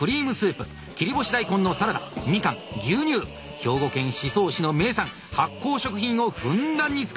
兵庫県宍粟市の名産発酵食品をふんだんに使っております。